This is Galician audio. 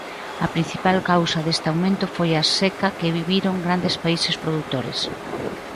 A principal causa deste aumento foi a seca que viviron grandes países produtores.